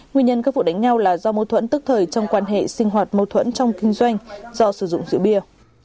nguyên nhân các vụ đánh nhau là do mâu thuẫn tức thời trong quan hệ sinh hoạt mâu thuẫn trong kinh doanh do sử dụng rượu bia